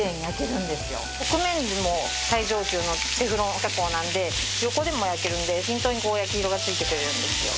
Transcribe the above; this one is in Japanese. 側面も最上級のテフロン加工なので横でも焼けるんで均等に焼き色がついてくれるんですよ。